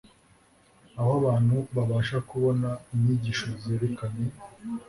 aho abantu babasha kubona inyigisho zerekeranye